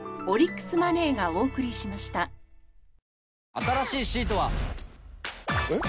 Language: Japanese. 新しいシートは。えっ？